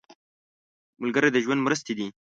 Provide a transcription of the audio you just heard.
ملګری د ژوند مرستې دی